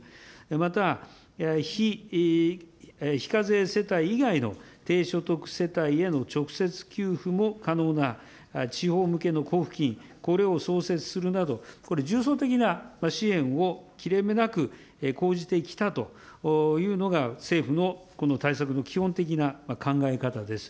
また、非課税世帯以外の低所得世帯への直接給付も可能な地方向けの交付金、これを創設するなど、これ、重層的な支援を切れ目なく講じてきたというのが、政府のこの対策の基本的な考え方です。